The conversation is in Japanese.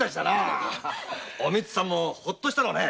おみつさんもホッとしたろうね。